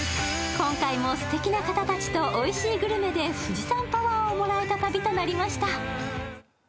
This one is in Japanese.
今回もすてきな方たちとおいしいグルメで富士山パワーをもらえた旅となりました。